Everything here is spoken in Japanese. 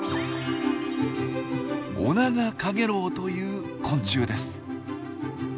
オナガカゲロウという昆虫です。